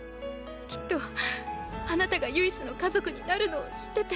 きっとあなたがユイスの家族になるのを知ってて。